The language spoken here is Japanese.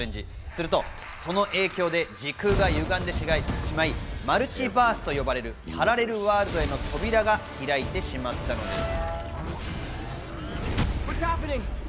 するとその影響で時空が歪んでしまいマルチバースと呼ばれるパラレルワールドへの扉が開いてしまったのです。